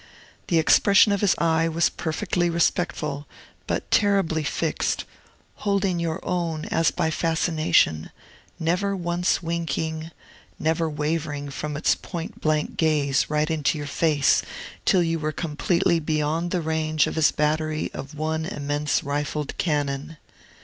The expression of his eye was perfectly respectful, but terribly fixed, holding your own as by fascination, never once winking, never wavering from its point blank gaze right into your face, till you were completely beyond the range of his battery of one immense rifled cannon.